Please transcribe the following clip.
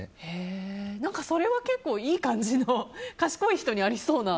それは結構いい感じの賢い人にありそうな。